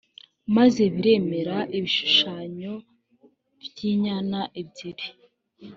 maze biremera ibishushanyo by’inyana ebyiri